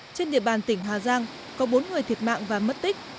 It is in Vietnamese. trên địa bàn tỉnh hà giang có bốn người thiệt mạng và mất tích